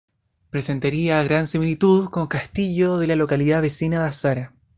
Presentaría gran similitud con castillo de la localidad vecina de Azara.